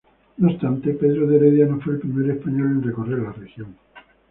No obstante, Pedro de Heredia no fue el primer español en recorrer la región.